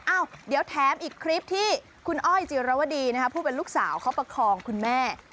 อ้าวเดี๋ยวแถมอีกคลิปที่คุณอ้อยจิรวดีนะคะผู้เป็นลูกสาวเขาประคองคุณแม่